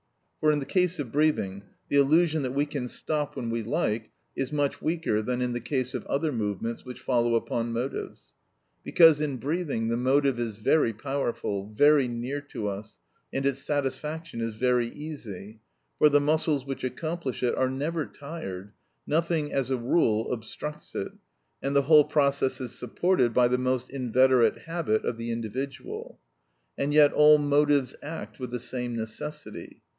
For, in the case of breathing, the illusion that we can stop when we like is much weaker than in the case of other movements which follow upon motives; because in breathing the motive is very powerful, very near to us, and its satisfaction is very easy, for the muscles which accomplish it are never tired, nothing, as a rule, obstructs it, and the whole process is supported by the most inveterate habit of the individual. And yet all motives act with the same necessity.